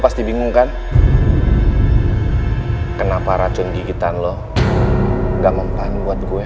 pasti bingung kan kenapa racun gigitan lo nggak mempahami buat gue